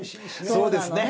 そうですね。